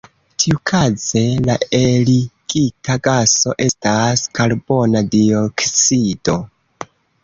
Tiukaze la eligita gaso estas karbona dioksido.